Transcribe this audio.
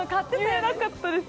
言えなかったです。